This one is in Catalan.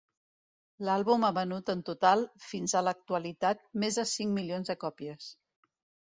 L'àlbum ha venut en total, fins a l'actualitat, més de cinc milions de còpies.